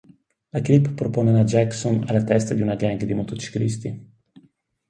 La clip propone una Jackson alla testa di una gang di motociclisti.